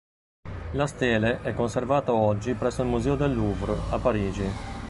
La stele è conservata oggi presso il Museo del Louvre, a Parigi.